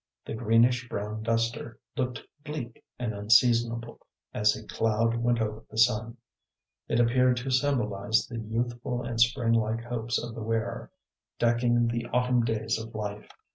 The greenish brown duster looked bleak and unseasonable as a cloud went over the sun; it appeared to symbolize the youthful and spring like hopes of the wearer, decking the autumn days of life.